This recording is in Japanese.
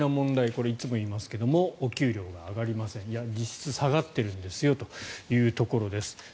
これ、いつもいいますけどもお給料が上がりませんいや、実質下がっているんですよというところです。